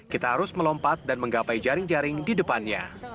kita harus melompat dan menggapai jaring jaring di depannya